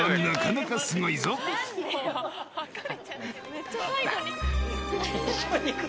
めっちゃ背後に。